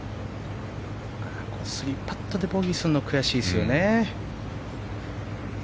３パットでボギーにするの悔しいですよね。